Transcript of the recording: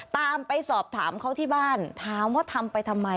ไปสอบถามเขาที่บ้านถามว่าทำไปทำไม